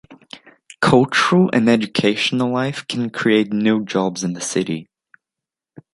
Cultural and educational life can create new jobs in the city.